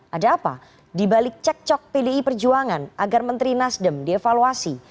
ada apa dibalik cek cok pdi perjuangan agar menteri nasdem dievaluasi